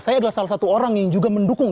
saya adalah salah satu orang yang juga mendukung